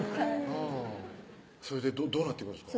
それでどうなっていくんですか？